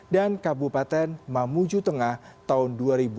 dan kabupaten mamuju tengah tahun dua ribu lima puluh lima